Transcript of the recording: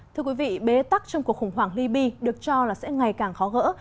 thưa quý vị bế tắc trong cuộc khủng hoảng liby được cho là sẽ ngày càng khó gỡ